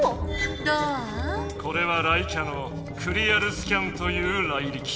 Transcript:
これは雷キャの「クリアルスキャン」というライリキ。